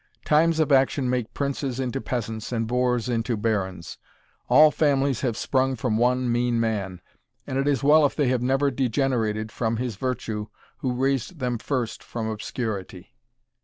Times of action make princes into peasants, and boors into barons. All families have sprung from one mean man; and it is well if they have never degenerated from his virtue who raised them first from obscurity."